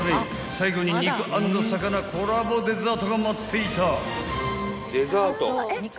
［最後に肉＆魚コラボデザートが待っていた］